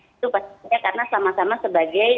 itu pastinya karena sama sama sebagai